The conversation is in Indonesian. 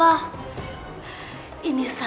astri gak tau nenek itu siapa